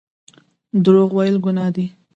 درواغ ویل ګناه ده